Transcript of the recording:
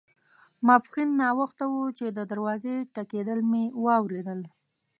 ماپښین ناوخته وو چې د دروازې ټکېدل مې واوریدل.